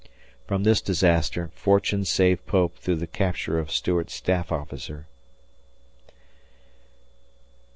From this disaster fortune saved Pope through the capture of Stuart's staff officer.